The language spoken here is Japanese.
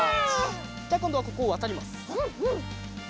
じゃあこんどはここをわたります。